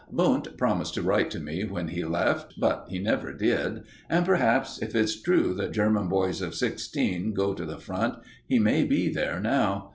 Wundt promised to write to me when he left; but he never did, and, perhaps, if it's true that German boys of sixteen go to the Front, he may be there now.